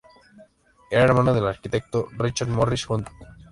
Era hermano del arquitecto Richard Morris Hunt.